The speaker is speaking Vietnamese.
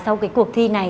sau cái cuộc thi này